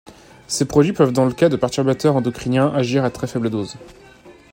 Ces produits peuvent dans le cas des perturbateurs endocriniens agir à très faible dose.